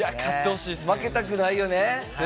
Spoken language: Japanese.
負けたくないよね。